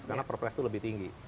karena perpres itu lebih tinggi